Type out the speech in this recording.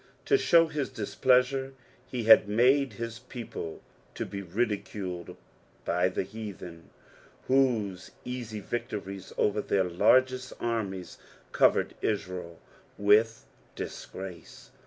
To show his dispUnsure oe had made his people to be ndiculed bj the heatheti, whose easy victories over their largest annies covered Israel with disgrace.